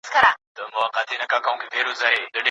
ما د پښتو ټایپنګ په نوم یو اپلیکیشن جوړ کړی دی.